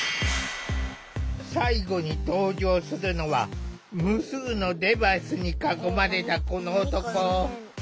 最後に登場するのは無数のデバイスに囲まれたこの男。